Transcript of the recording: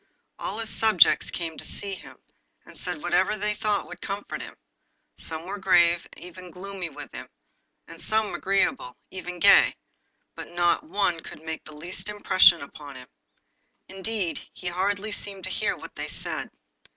All his subjects came to see him, and said whatever they thought would comfort him: some were grave, even gloomy with him; and some agreeable, even gay; but not one could make the least impression upon him. Indeed, he hardly seemed to hear what they said.